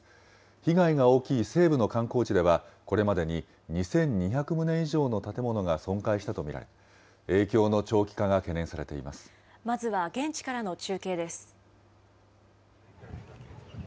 被害が大きい西部の観光地では、これまでに２２００棟以上の建物が損壊したと見られ、まずは現地からの中継です。